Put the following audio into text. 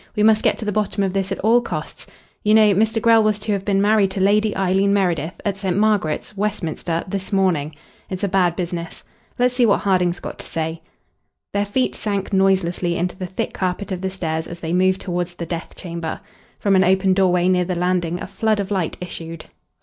"We must get to the bottom of this at all costs. You know Mr. Grell was to have been married to Lady Eileen Meredith at St. Margaret's, Westminster, this morning. It's a bad business. Let's see what Harding's got to say." Their feet sank noiselessly into the thick carpet of the stairs as they moved towards the death chamber. From an open doorway near the landing a flood of light issued.